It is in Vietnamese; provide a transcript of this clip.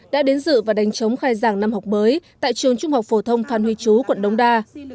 đã đến dự và đánh chống khai giảng năm học mới tại trường trung học phổ thông phan huy chú quận đống đa